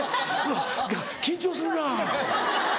うわ緊張するな。